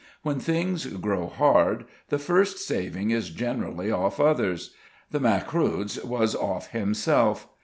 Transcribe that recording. When things grow hard, the first saving is generally off others; the Macruadh's was off himself.